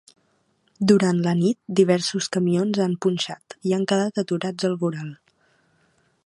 Durant la nit diversos camions han punxat i han quedat aturats al voral.